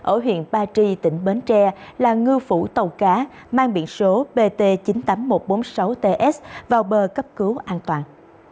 ở huyện ba tri tỉnh bến tre là ngư phủ tàu cá mang biển số bt chín mươi tám nghìn một trăm bốn mươi sáu ts vào bờ cấp cứu an toàn